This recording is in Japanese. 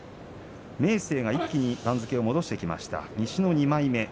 明生は一気に番付を戻してきました、西の２枚目。